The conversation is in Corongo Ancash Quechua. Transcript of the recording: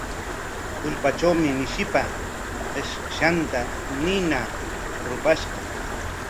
Tullpatrawmi mishipa qipshanta nina rupashqa.